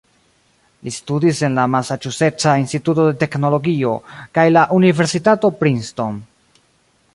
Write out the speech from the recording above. Li studis en la Masaĉuseca Instituto de Teknologio kaj la Universitato Princeton.